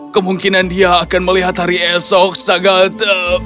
kemungkinan dia akan melihat hari esok sangat